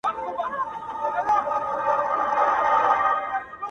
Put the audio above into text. ور نیژدې یوه جاله سوه په څپو کي!